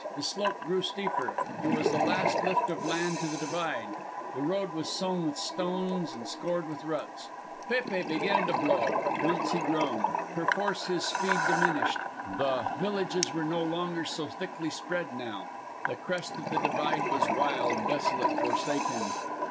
The slope grew steeper; it was the last lift of land to the divide. The road was sown with stones and scored with ruts. Pépe began to blow; once he groaned. Perforce his speed diminished. The villages were no longer so thickly spread now. The crest of the divide was wild, desolate, forsaken.